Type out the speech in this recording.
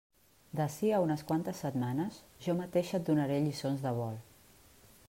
D'ací a unes quantes setmanes jo mateixa et donaré lliçons de vol.